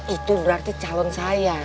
itu berarti calon sayang